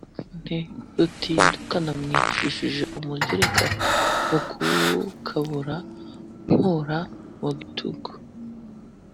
Nti: Rutinduka namwicishije umugereka, mu kuwukabura nkura mu gitugu